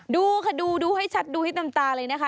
ดูค่ะดูให้ชัดดูให้น้ำตาเลยนะคะ